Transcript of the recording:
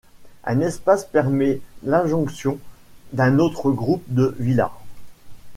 Un espace permet l'adjonction d'un autre groupe de villas.